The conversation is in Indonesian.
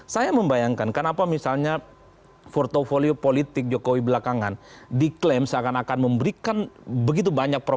saya membayangkan kenapa misalnya portfolio politik jokowi belakangan diklaim seakan akan memberikan kekuasaan jokowi